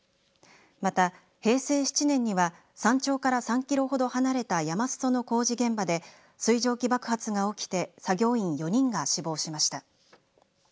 また平成７年には山頂から３ｋｍほど離れた山すその工事現場で水蒸気爆発が起きて作業員４人が死亡しました。